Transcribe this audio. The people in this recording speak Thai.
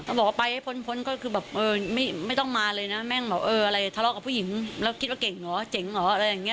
บอกว่าไปให้พ้นพ้นก็คือแบบไม่ต้องมาเลยนะแม่งบอกเอออะไรทะเลาะกับผู้หญิงแล้วคิดว่าเก่งเหรอเจ๋งเหรออะไรอย่างนี้